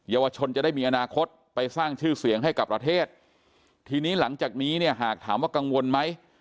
วชนจะได้มีอนาคตไปสร้างชื่อเสียงให้กับประเทศทีนี้หลังจากนี้เนี่ยหากถามว่ากังวลไหม